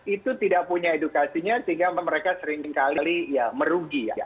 itu tidak punya edukasinya sehingga mereka seringkali merugi